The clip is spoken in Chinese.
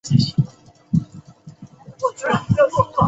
松泉是位于美国亚利桑那州阿帕契县的一个非建制地区。